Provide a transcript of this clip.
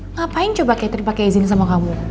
ngapain coba katerin pake izin sama kamu